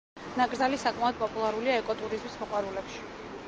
ნაკრძალი საკმაოდ პოპულარულია ეკოტურიზმის მოყვარულებში.